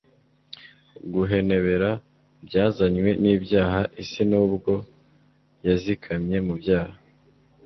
guhenebera byazanywe nibyaha Isi nubgo yazikamye mu byaha